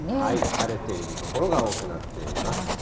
晴れている所が多くなっています。